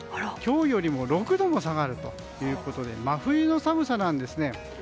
今日よりも６度も下がるということで真冬の寒さなんですね。